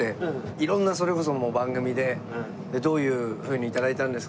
色んなそれこそ番組で「どういうふうに頂いたんですか？」。